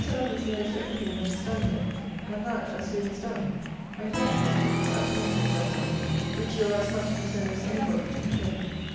Lovelace knows every thing that is done here; and that as soon as done; and great mischief is apprehended from him, which you are as much concerned as any body to prevent.